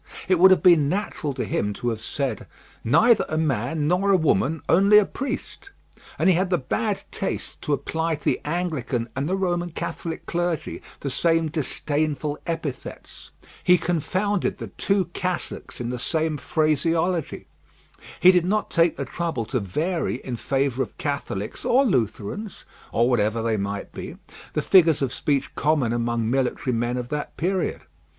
It would have been natural to him to have said, "Neither a man nor a woman, only a priest;" and he had the bad taste to apply to the Anglican and the Roman Catholic clergy the same disdainful epithets. He confounded the two cassocks in the same phraseology. He did not take the trouble to vary in favour of Catholics or Lutherans, or whatever they might be, the figures of speech common among military men of that period.